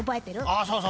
そうそう。